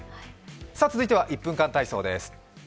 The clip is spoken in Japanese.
続いては１分間体操です。